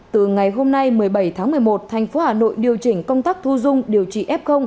từ ngày hôm nay một mươi bảy tháng một mươi một thành phố hà nội điều chỉnh công tác thu dung điều trị f